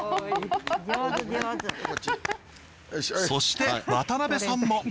そして渡辺さんも。